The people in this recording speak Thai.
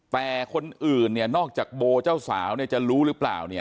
แต่คนอื่นเนี่ยนอกจากโบเจ้าสาวจะรู้หรือเปล่า